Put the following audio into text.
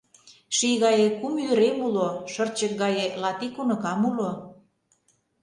Ший гае кум ӱдырем уло, шырчык гае латик уныкам уло.